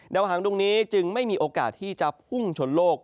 หางดงนี้จึงไม่มีโอกาสที่จะพุ่งชนโลก